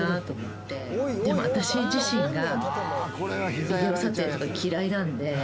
でも私自身がビデオ撮影とか嫌いなので。